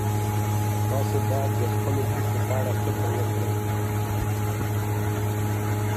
تاسې باید د خپلو موخو په اړه فکر وکړئ.